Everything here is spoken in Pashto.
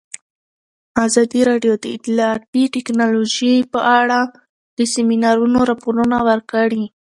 ازادي راډیو د اطلاعاتی تکنالوژي په اړه د سیمینارونو راپورونه ورکړي.